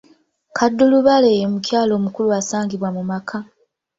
Kaddulubaale ye mukyala omukulu asangibwa mu maka.